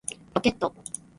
ロケット